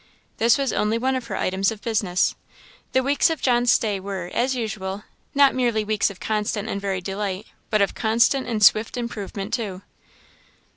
This was only one of her items of business. The weeks of John's stay were, as usual, not merely weeks of constant and varied delight, but of constant and swift improvement too.